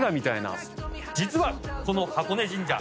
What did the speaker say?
実はこの箱根神社。